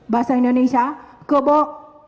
bahasa indonesia keboh